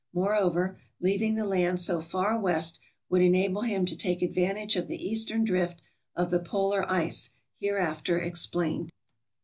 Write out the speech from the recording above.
Moreover, leaving the land so far west would enable him to take advantage of the eastern drift of the polar ice, hereafter explained.